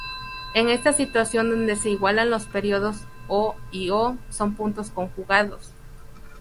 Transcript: En esta situación donde se igualan los periodos, O y O’ son puntos conjugados.